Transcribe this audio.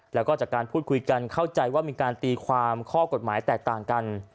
แล้วก็จากการพูดคุยกันเข้าใจว่ามีการตีความข้อกฎหมายแตกต่างกัน